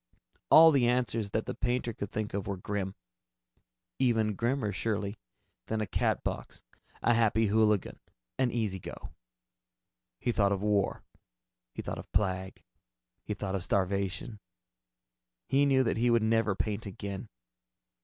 All the answers that the painter could think of were grim. Even grimmer, surely, than a Catbox, a Happy Hooligan, an Easy Go. He thought of war. He thought of plague. He thought of starvation. He knew that he would never paint again.